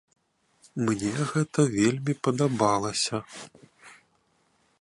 Мне гэта вельмі падабалася.